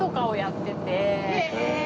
へえ！